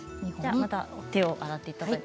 また手を洗っていただいて。